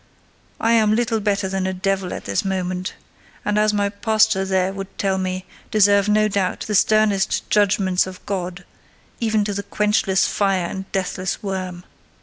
I am little better than a devil at this moment; and, as my pastor there would tell me, deserve no doubt the sternest judgments of God, even to the quenchless fire and deathless worm.